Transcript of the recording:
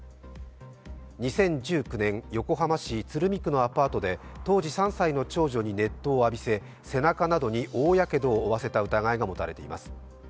２０１９年、横浜市鶴見区のアパートで当時３歳の長女に熱湯を浴びせ大やけどを負わせた疑いがもたれています。